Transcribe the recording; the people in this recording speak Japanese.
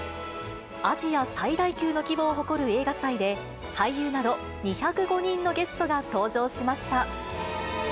アジア最大級の規模を誇る映画祭で、俳優など２０５人のゲストが登場しました。